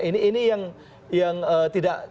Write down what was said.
ini yang tidak